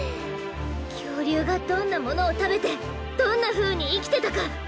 きょうりゅうがどんなものをたべてどんなふうにいきてたか。